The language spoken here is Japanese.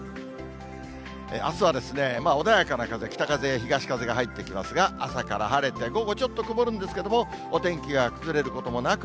あすは穏やかな風、北風、東風が入ってきますが、朝から晴れて、午後ちょっと曇るんですけども、お天気が崩れることもなく、